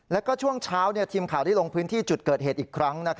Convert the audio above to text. แล้วก็ช่วงเช้าทีมข่าวได้ลงพื้นที่จุดเกิดเหตุอีกครั้ง